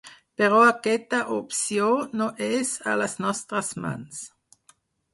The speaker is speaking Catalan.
Però aquesta opció no és a les nostres mans.